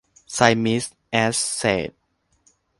ไซมิส แอสเสท